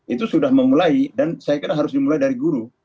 itu sudah memulai dan saya kira harus dimulai dari guru